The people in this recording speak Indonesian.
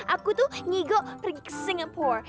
aku tuh ngigo pergi ke singapura